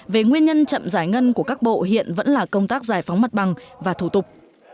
về nguyên nhân chậm giải ngân của các bộ hiện vẫn là công tác giải phóng mặt bằng và thủ tục